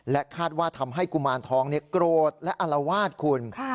คาดว่าทำให้กุมารทองโกรธและอลวาดคุณ